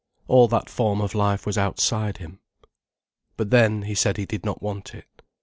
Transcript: All that form of life was outside him. But then, he said he did not want it.